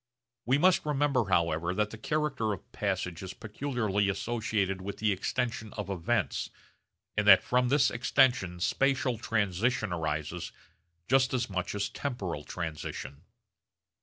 We must remember however that the character of passage is peculiarly associated with the extension of events, and that from this extension spatial transition arises just as much as temporal transition.